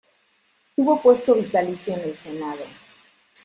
Tuvo puesto vitalicio en el Senado.